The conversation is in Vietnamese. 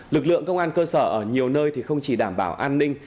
lực lượng công an cơ sở ở nhiều nơi không chỉ đảm bảo an ninh